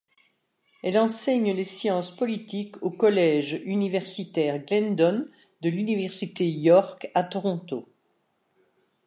Elle enseigne les sciences politiques au Collège universitaire Glendon de l'Université York à Toronto.